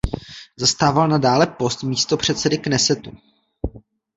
Zastával nadále post místopředsedy Knesetu.